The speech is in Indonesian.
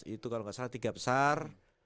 dua ribu delapan belas itu kalau gak salah tiga besar